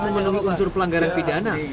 meneluhi unsur pelanggaran pidana